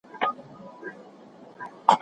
تاسو کولی شئ د نورو معلوماتو لپاره ناسا تعقیب کړئ.